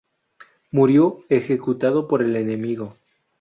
Murió ejecutado por el enemigo.